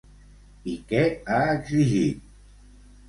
I què ha exigit?